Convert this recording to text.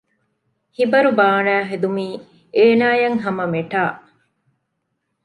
ހިބަރު ބާނައި ހެދުމީ އޭނާއަށް ހަމަ މެޓާ